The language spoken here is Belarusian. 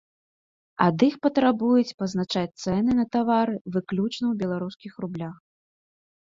Ад іх патрабуюць пазначаць цэны на тавары выключна ў беларускіх рублях.